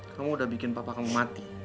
kamu udah bikin papa kamu mati